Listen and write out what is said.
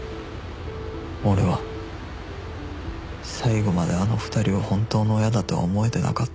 俺は最後まであの２人を本当の親だとは思えてなかった